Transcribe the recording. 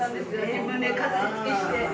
・自分で飾り付けして。